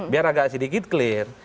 biar agak sedikit clear